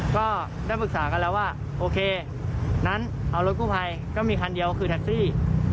ก็ได้ปรึกษากันแล้วว่าโอเคงั้นเอารถกู้ภัยก็มีคันเดียวคือแท็กซี่